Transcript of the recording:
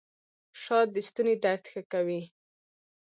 شات د ستوني درد ښه کوي